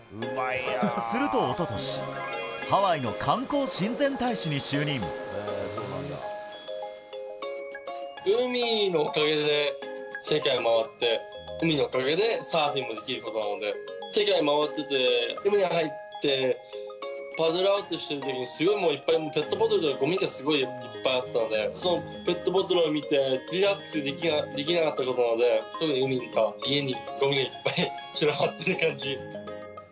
すると、おととし、ハワイの海のおかげで世界を回って、海のおかげでサーフィンができることなので、世界を回ってて、海に入って、パドルアウトしてるときに、すごいもういっぱいペットボトルとか、ごみがすごいいっぱいあったので、そのペットボトルを見て、リラックスできなかったので、海の中にごみがいっぱい散らばってる感じ。